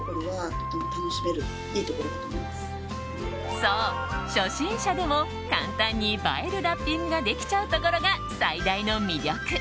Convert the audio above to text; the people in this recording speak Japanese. そう、初心者でも簡単に映えるラッピングができちゃうところが最大の魅力。